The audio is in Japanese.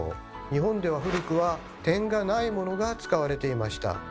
日本では古くは点がないものが使われていました。